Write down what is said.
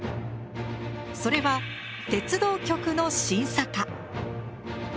それは鉄道局の審査課。